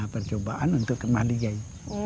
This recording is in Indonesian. percobaan untuk kemah ligai